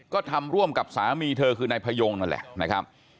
ก็ทำร่วมกับสามีเธอคือนายพยงนั่นแหละนะครับ